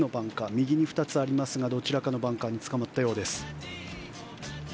右に２つありますがどちらかのバンカーにつかまったようです。